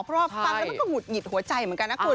ก็ฮุดหงิดหัวใจเหมือนกันนะขุด